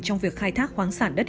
trong việc khai thác khoáng sản